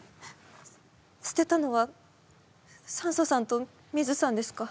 捨てたのはサンソさんとミズさんですか？